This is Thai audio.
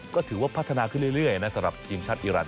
ก็ถือว่าพัฒนาขึ้นเรื่อยนะสำหรับทีมชาติอีรัน